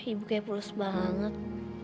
ibu kayak pulus banget